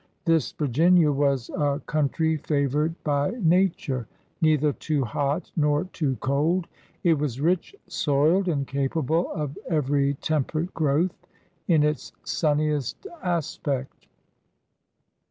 This Virginia was a country favored by nature. Neither too hot nor too cold, it was rich soiled and capable of every temperate growth in its sunniest aspect.